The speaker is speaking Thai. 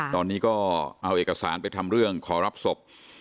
ตอนนี้ก็เอาเอกสารไปทำเรื่องขอรับศพ